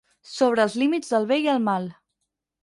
"Sobre els límits del bé i el mal".